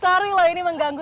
sorry loh ini mengganggu